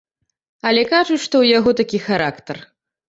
Але кажуць, што ў яго такі характар.